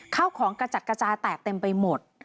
ข้าวของกระจัดกระจายแตกเต็มไปหมด